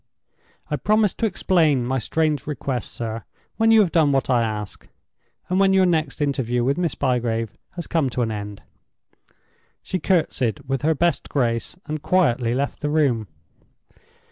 I promise to explain my strange request, sir, when you have done what I ask, and when your next interview with Miss Bygrave has come to an end." She courtesied with her best grace, and quietly left the room.